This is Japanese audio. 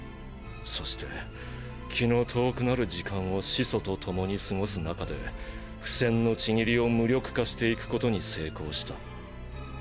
そして気の遠くなる時間を始祖と共に過ごす中で「不戦の契り」を無力化していくことに成功した。